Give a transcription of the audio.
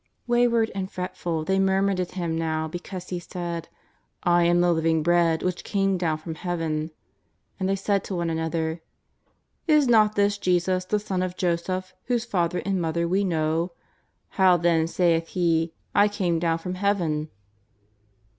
Wayward and fretful, they murmured at Him now because He said :'^ I am the Living Bread which came down from Heaven." And they said to one another :" Is not this Jesus, the son of Joseph, whose father and mother we know ? How then saith He :^ I came down from Heaven